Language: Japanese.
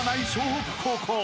北高校］